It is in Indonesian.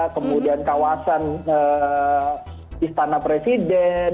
kemudian kawasan istana presiden